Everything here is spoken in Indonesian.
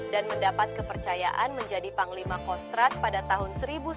dan mendapat kepercayaan menjadi panglima kostrat pada tahun seribu sembilan ratus enam puluh dua